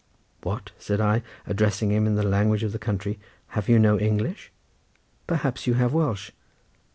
"What," said I, addressing him in the language of the country, "have you no English? Perhaps you have Welsh?"